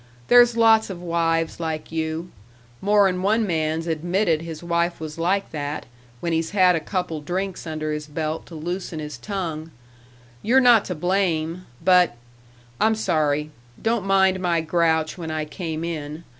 There's lots of wives like you. More 'n one man's admitted his wife was like that, when he's had a couple drinks under his belt to loosen his tongue. You're not to blame, but I'm sorry.... Don't mind my grouch when I came in.